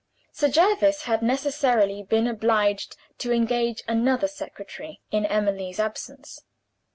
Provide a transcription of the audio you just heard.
Sir Jervis had necessarily been obliged to engage another secretary in Emily's absence.